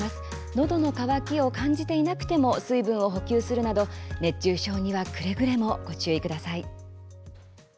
のどの渇きを感じていなくても水分を補給するなど熱中症にはくれぐれもご注意ください。